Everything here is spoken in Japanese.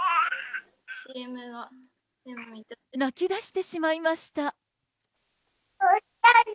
泣き出してしまいました。